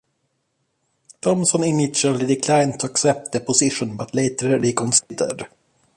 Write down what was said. Thompson initially declined to accept the position, but later reconsidered.